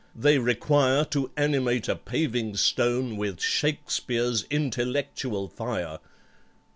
they require To animate a paving stone With SHAKESPEARE'S intellectual fire.